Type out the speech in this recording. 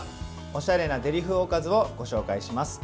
おしゃれなデリ風おかずをご紹介します。